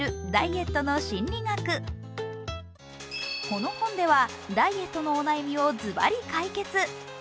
この本では、ダイエットのお悩みをズバリ解決。